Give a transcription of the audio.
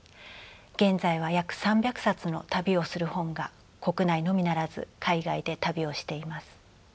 現在は約３００冊の「旅をする本」が国内のみならず海外で旅をしています。